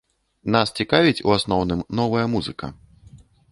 Нас цікавіць, у асноўным, новая музыка.